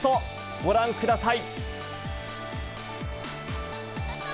ご覧ください。